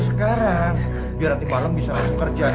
sekarang biar nanti malam bisa kerja kita